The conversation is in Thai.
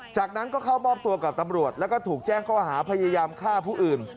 จากนั้นก็เข้ามอบตัวกับตำรวจแล้วก็ถูกแจ้งข้อหาพยายามฆ่าผู้อื่น